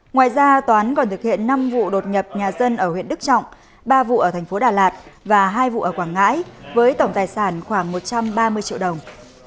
ngoài ra toán còn thực hiện năm vụ đột nhập nhà dân ở huyện đức trọng ba vụ ở thành phố đà lạt và hai vụ ở quảng ngãi với tổng tài sản khoảng một trăm ba mươi triệu đồng